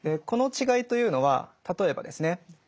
この違いというのは例えばですね